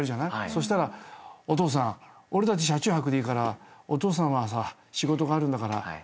そしたら「お父さん俺たち車中泊でいいからお父さんは仕事があるんだからホテル泊まってくれよ」